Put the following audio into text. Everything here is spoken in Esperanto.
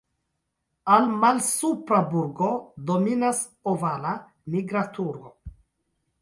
Al "Malsupra burgo" dominas ovala "Nigra turo".